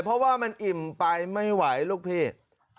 เพราะว่ามันอิ่มไปไม่ไหวลูกพี่